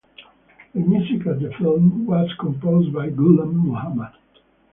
The music of the film was composed by Ghulam Mohammad.